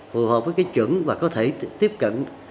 phù hợp với cái chuẩn và có thể tiếp cận